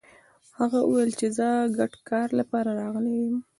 هغه ويل چې زه د ګډ کار لپاره راغلی يم.